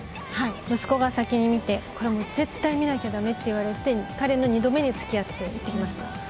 息子が先に見てこれもう絶対見なきゃ駄目と言われて彼の２度目に付き合って見てきました。